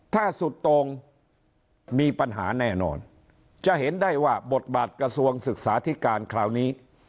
ถ้าสุดตรงมีปัญหาแน่นอนจะเห็นได้ว่าบทบาทกระทรวงศึกษาธิการคราวนี้